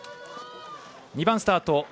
２番スタート